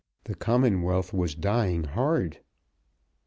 The Commonwealth was dying hard.